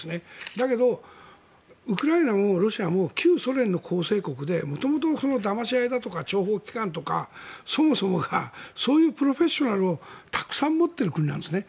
だけど、ウクライナもロシアも旧ソ連の構成国で元々、だまし合いだとか諜報機関とかそもそもがそういうプロフェッショナルをたくさん持っている国なんですね。